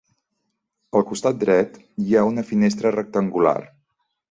Al costat dret hi ha una finestra rectangular.